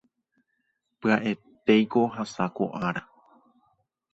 pya'etéiko ohasa ko ára